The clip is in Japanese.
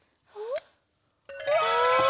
うわ！